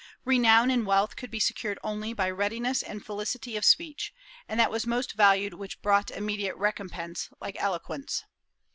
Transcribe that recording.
Renown and wealth could be secured only by readiness and felicity of speech, and that was most valued which brought immediate recompense, like eloquence.